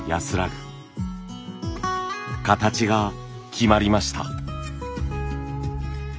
形が決まりました。